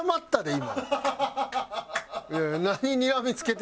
今。